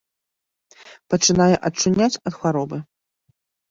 Пачынае ачуняць ад хваробы.